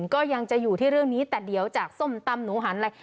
ก็ยังจะอยู่ที่เรื่องนี้แต่เดี๋ยวจากส้มตำหนูหันอะไร